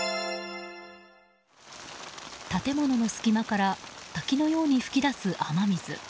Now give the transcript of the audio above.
建物の隙間から滝のように噴き出す雨水。